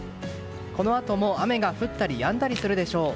このあとも雨が降ったりやんだりするでしょう。